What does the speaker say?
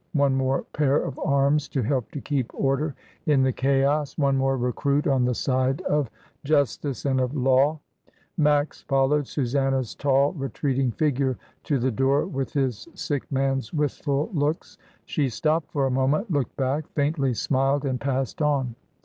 One more pair of arms to help to keep order in the chaos, one more recruit on the side of justice and of law. Max followed Susanna's tall retreating figure to the door with his sick man's wistful looks. She stopped for a moment, looked back, faintly smiled, and passed on.